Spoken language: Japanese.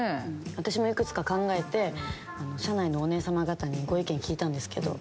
私もいくつか考えて社内のお姉さま方にご意見聞いたんですけど。